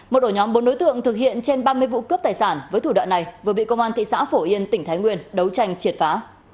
một ổ nhóm bốn đối tượng thực hiện trên ba mươi vụ cướp tài sản với thủ đoạn này vừa bị công an thị xã phổ yên tỉnh thái nguyên đấu tranh triệt phá